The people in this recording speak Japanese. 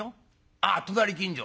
「ああ隣近所？」。